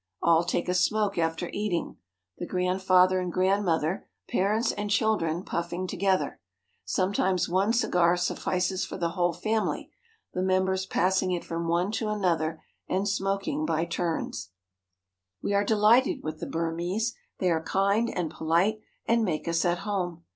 All take a smoke after eating, the grandfather and grand mother, parents and children, puffing together. Sometimes one cigar suffices for the whole family, the members passing it from one to another and smoking by turns. 220 WITH THE BURMESE AT HOME We are delighted with the Burmese. They are kind and polite, and make us at home.